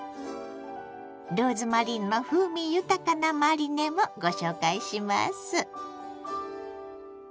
ローズマリーの風味豊かなマリネもご紹介します。